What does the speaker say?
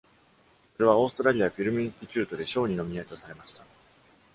それは、オーストラリア・フィルム・インスティテュートで賞にノミネートされました。